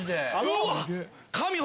うわっ！